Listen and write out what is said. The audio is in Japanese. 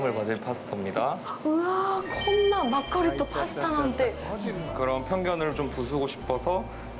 うわあ、こんなマッコリとパスタなんて。